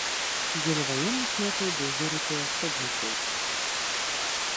Дзеля ваенных мэтаў быў вырыты асобны порт.